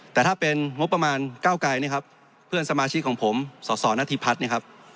แต่ถ้าเป็นงบประมาณ๙ไกลเพื่อนสมาชิกของผมสนพัทย์